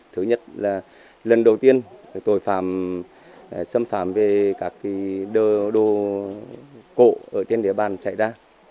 thứ nhất là lần đầu tiên tội phạm xâm phạm về các đồ cổ ở trên địa bàn xảy ra